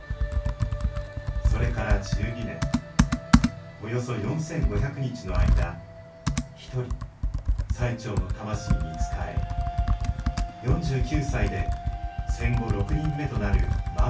それから１２年およそ４５００日の間一人最澄の魂に仕え４９歳で戦後６人目となる満行者となりました。